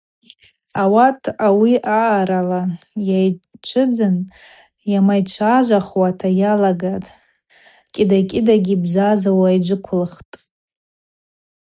Ауат ауи аъарала йайчвыдзын йамайчважвахуа йалагатӏ, кӏьыда-кӏьыдагьи йбзазауа йджвыквылхтӏ.